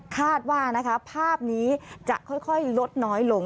คาดว่าภาพนี้จะค่อยลดน้อยลง